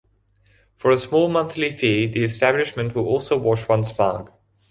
For a small monthly fee the establishment will also wash one's mug.